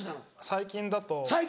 最近だと？